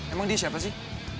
emang dia siapa sih